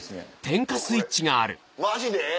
マジで？